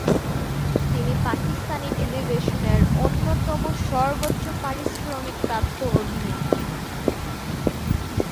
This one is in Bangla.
তিনি পাকিস্তানি টেলিভিশনের অন্যতম সর্বোচ্চ পারিশ্রমিক প্রাপ্ত অভিনেত্রী।